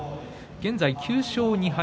現在、９勝２敗